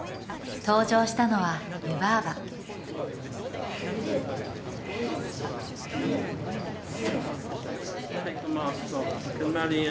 登場したのは湯婆婆・１２３。